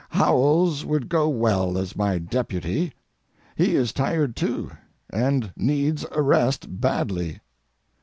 Howells would go well as my deputy. He is tired too, and needs a rest badly.